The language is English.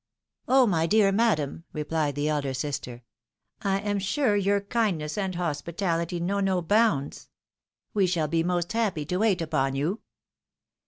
" Oh ! my dear madam," replied the elder sister, " I am sure your kindness and hospitality know no bounds. We shall be most happy to wait upon you."